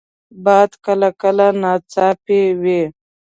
باد کله کله ناڅاپي وي